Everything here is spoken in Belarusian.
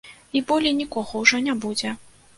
І болей нікога ўжо не будзе.